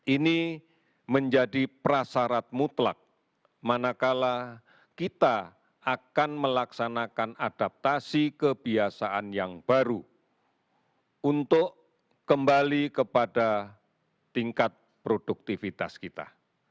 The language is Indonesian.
ini menjadi prasarat mutlak manakala kita akan melaksanakan adaptasi kebiasaan yang baru untuk kembali kepada tingkat produktivitas kita